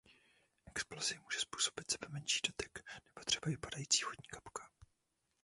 Explozi může způsobit sebemenší dotek nebo třeba i padající vodní kapka.